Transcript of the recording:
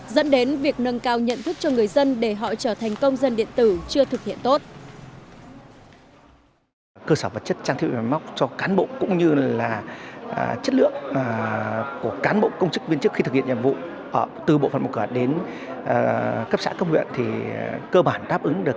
dẫn đến việc nâng cao nhận thức cho người dân để họ trở thành công dân điện tử chưa thực hiện tốt